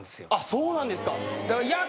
そうなんですか。